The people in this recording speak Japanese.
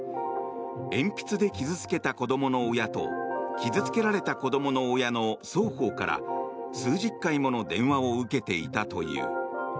鉛筆で傷付けた子どもの親と傷付けられた子どもの親の双方から数十回もの電話を受けていたという。